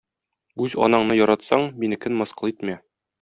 Үз анаңны яратсаң, минекен мыскыл итмә.